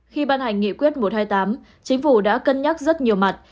khi ban hành nghị quyết một trăm hai mươi tám chính phủ đã cân nhắc rất nhiều mặt